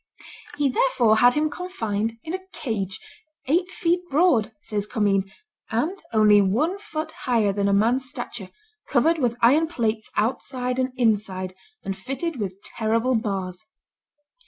He therefore had him confined in a cage, "eight feet broad," says Commynes, "and only one foot higher than a man's stature, covered with iron plates outside and inside, and fitted with terrible bars."